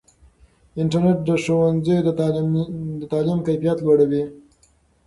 انټرنیټ د ښوونځیو د تعلیم کیفیت لوړوي.